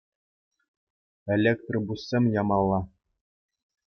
Электробуссем ямалла.